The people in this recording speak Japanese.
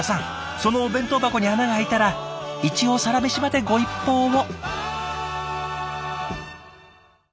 そのお弁当箱に穴が開いたら一応「サラメシ」までご一報を。